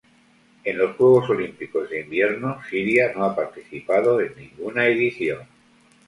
En los Juegos Olímpicos de Invierno Siria no ha participado en ninguna edición.